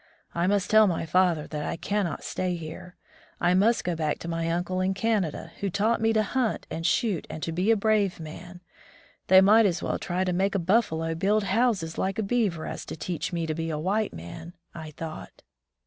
"I must tell my father that I cannot stay here. I must go back to my uncle in Canada, who taught me to hunt and shoot and to be a brave man. They might as well try to make a buffalo build houses like a beaver as to teach me to be a white man," I thought.